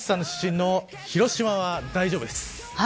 出身の広島は大丈夫です。